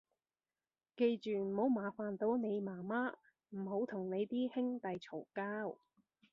記住唔好麻煩到你媽媽，唔好同你啲兄弟嘈交